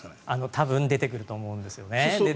多分、出てくると思うんですよね。